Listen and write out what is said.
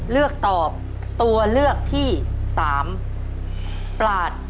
เลือกตัว๓ค่ะ